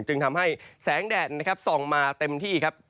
จึงทำให้แสงแดดนะครับส่องมาเต็มที่ครับ